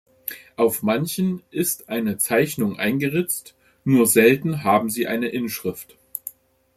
Auf manchen ist eine Zeichnung eingeritzt, nur selten haben sie eine Inschrift.